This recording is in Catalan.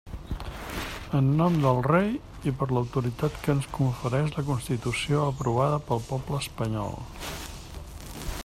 En nom del rei i per l'autoritat que ens confereix la Constitució aprovada pel poble espanyol.